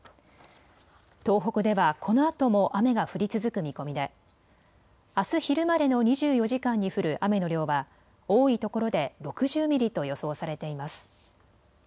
東北ではこのあとも雨が降り続く見込みであす昼までの２４時間に降る雨の量は多いところで６０ミリと予想されています。